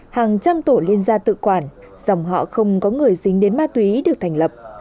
hàng trăm tổ liên gia tự quản dòng họ không có người dính đến ma túy được thành lập